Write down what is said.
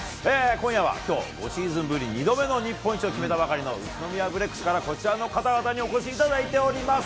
今夜は、きょう５シーズンぶり、２度目の日本一を決めたばかりの宇都宮ブレックスから、こちらの方々にお越しいただいております！